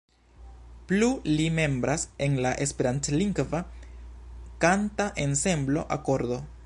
Plu li membras en la esperantlingva kanta ensemblo Akordo.